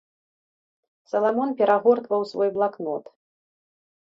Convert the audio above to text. Саламон перагортваў свой блакнот.